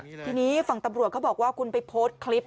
ทีนี้ฝั่งตำรวจเขาบอกว่าคุณไปโพสต์คลิป